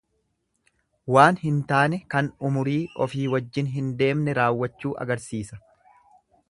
Waan hin taane kan umurii ofii wajjin hin deemne raawwachuu agarsiisa.